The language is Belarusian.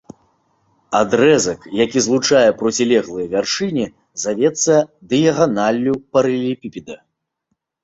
Адрэзак, які злучае процілеглыя вяршыні, завецца дыяганаллю паралелепіпеда.